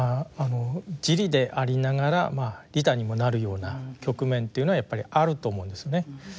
自利でありながら利他にもなるような局面っていうのはやっぱりあると思うんですね。